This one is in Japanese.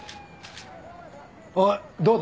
おいどうだ？